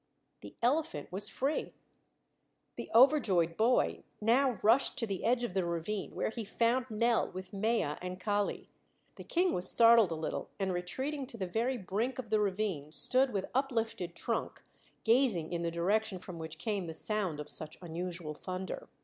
The elephant was free. The overjoyed boy now rushed to the edge of the ravine, where he found Nell with Mea and Kali. The King was startled a little and, retreating to the very brink of the ravine, stood with uplifted trunk, gazing in the direction from which came the sound of such unusual thunder.